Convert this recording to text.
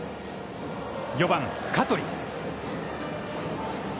４番香取。